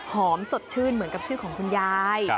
สดชื่นเหมือนกับชื่อของคุณยาย